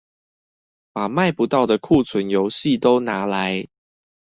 把賣不到的庫存遊戲都拿來